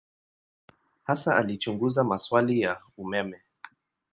Hasa alichunguza maswali ya umeme.